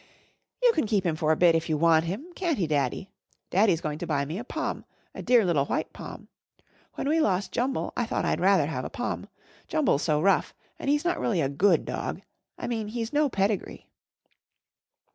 "You can keep him for a bit if you want him, can't he Daddy? Daddy's going to buy me a Pom a dear little white Pom. When we lost Jumble, I thought I'd rather have a Pom. Jumble's so rough and he's not really a good dog. I mean he's no pedigree."